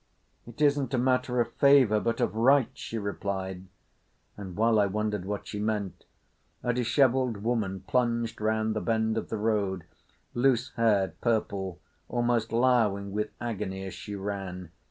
"It isn't a matter of favour but of right," she replied, and while I wondered what she meant, a dishevelled woman plunged round the bend of the road, loose haired, purple, almost lowing with agony as she ran.